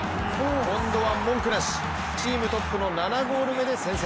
今度は文句なし、チームトップの７ゴール目で先制。